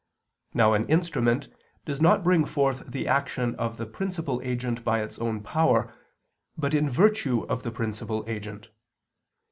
Now an instrument does not bring forth the action of the principal agent by its own power, but in virtue of the principal agent.